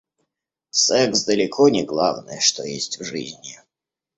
Секс далеко не главное, что есть в жизни.